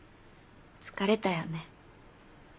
疲れたよね。